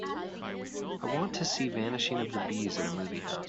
I want to see Vanishing of the Bees at a movie house.